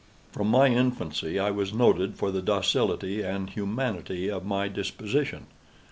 From my infancy I was noted for the docility and humanity of my disposition.